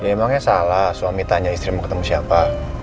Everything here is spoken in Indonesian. emangnya salah suami tanya istri mau ketemu siapa